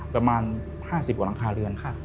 ประมาณ๕๐กว่าหลังคาเรือน